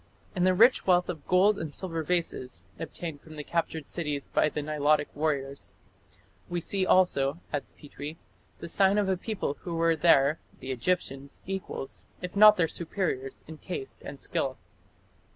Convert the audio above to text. "In the rich wealth of gold and silver vases", obtained from captured cities by the Nilotic warriors, "we see also", adds Petrie, "the sign of a people who were their (the Egyptians') equals, if not their superiors in taste and skill."